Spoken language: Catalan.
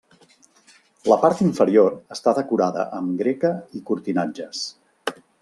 La part inferior està decorada amb greca i cortinatges.